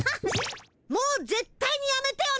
もうぜっ対にやめてよね！